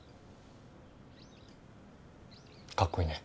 かっこいいね。